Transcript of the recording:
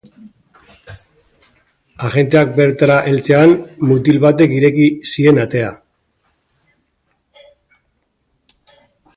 Agenteak bertara heltzean, mutil batek ireki zien atea.